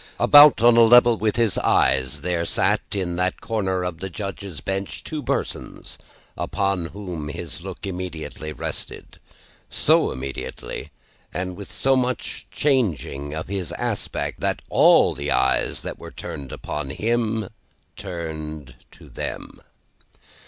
About on a level with his eyes, there sat, in that corner of the Judge's bench, two persons upon whom his look immediately rested; so immediately, and so much to the changing of his aspect, that all the eyes that were turned upon him, turned to them.